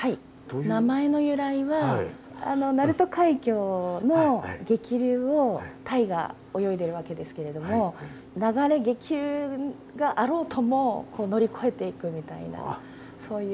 名前の由来は鳴門海峡の激流をタイが泳いでいるわけですけれども流れ激流があろうとも乗り越えていくみたいなそういう。